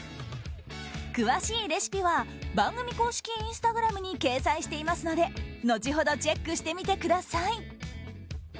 詳しいレシピは番組公式インスタグラムに掲載していますので後ほどチェックしてみてください。